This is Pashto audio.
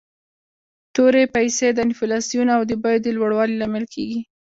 تورې پیسي د انفلاسیون او د بیو د لوړوالي لامل کیږي.